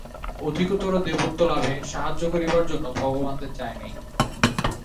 অধিকতর দেবত্বলাভে সাহায্য করিবার জন্য ভগবানকে চায় নাই।